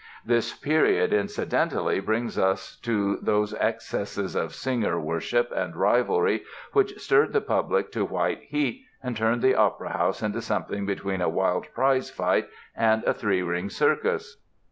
This period, incidentally, brings us to those excesses of singer worship and rivalry which stirred the public to white heat and turned the opera house into something between a wild prize fight and a three ring circus.